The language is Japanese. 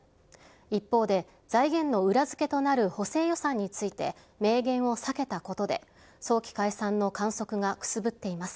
一方で、財源の裏付けとなる補正予算について、明言を避けたことで、早期解散の観測がくすぶっています。